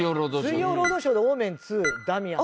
『水曜ロードショー』で『オーメン２ダミアン』。